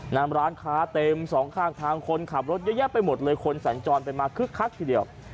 น้ำร้านค้าเต็มสองข้างทางคนขับรถเยอะแยะไปหมดเลยคนสัญจรไปมาคึกคักทีเดียว